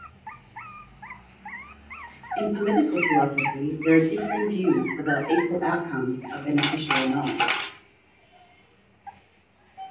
In political philosophy, there are differing views whether equal outcomes are beneficial or not.